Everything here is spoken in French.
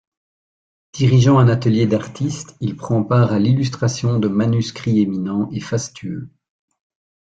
Dirigeant un atelier d'artiste, il prend part à l'illustration de manuscrits éminents et fastueux.